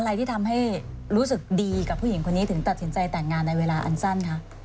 อะไรที่ทำให้รู้สึกดีกับผู้หญิงคนนี้ถึงตัดสินใจแต่งงานในเวลาอันสั้นคะ